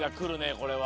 これは。